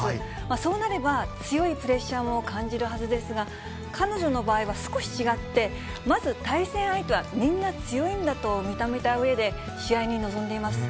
そうなれば、強いプレッシャーも感じるはずですが、彼女の場合は少し違って、まず対戦相手はみんな強いんだと認めたうえで、試合に臨んでいます。